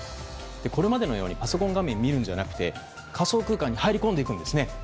これまでのようにパソコン画面を見るのではなくて仮想空間に入り込んでいくんですね。